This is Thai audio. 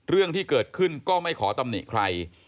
เรื่องที่เกิดขึ้นก็ไม่ขอตำหนิใคร